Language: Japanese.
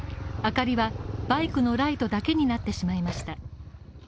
明かりはバイクのライトだけになってしまいました。